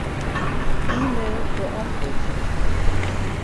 E-mail beäntwurdzje.